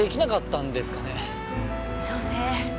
そうね。